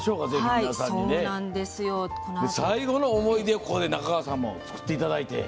最後の思い出をここで中川さんも作ってもらって。